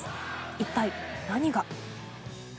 一体、何が？